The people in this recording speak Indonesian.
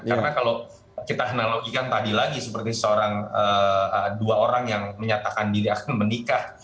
karena kalau kita analogikan tadi lagi seperti dua orang yang menyatakan diri akan menikah